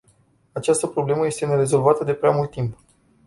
Această problemă este nerezolvată de prea mult timp.